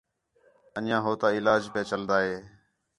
اَنڄیاں ہو تا علاج پِیا چَلدا ہے